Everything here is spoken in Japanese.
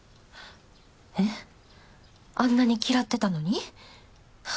えっあんなに嫌ってたのに？